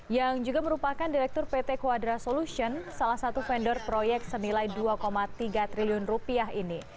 yang juga merupakan direktur pt quadra solution salah satu vendor proyek senilai dua tiga triliun rupiah ini